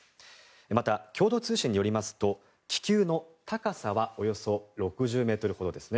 また共同通信によりますと気球の高さはおよそ６０ｍほどですね。